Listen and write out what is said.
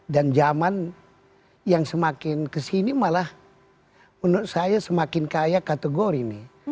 dan zaman yang semakin kesini malah menurut saya semakin kaya kategori nih